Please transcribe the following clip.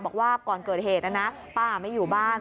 บอกว่าก่อนเกิดเหตุนะนะป้าไม่อยู่บ้าน